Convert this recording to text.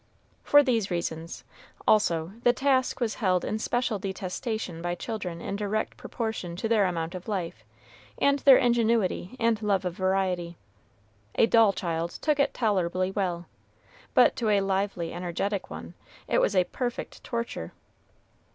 For these reasons, also, the task was held in special detestation by children in direct proportion to their amount of life, and their ingenuity and love of variety. A dull child took it tolerably well; but to a lively, energetic one, it was a perfect torture.